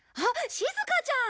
しずかちゃん。